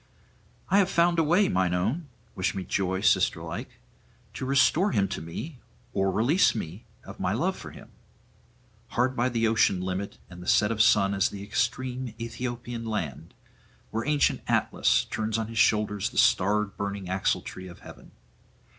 'I have found a way, mine own wish me joy, sisterlike to restore him to me or release me of my love for him. Hard by the ocean limit and the set of sun is the extreme Aethiopian land, where ancient Atlas turns on his shoulders the starred burning axletree of heaven.